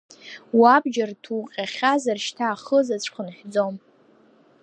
Уабџьар ҭурҟьахьазар, шьҭа ахызаҵә хынҳәӡом.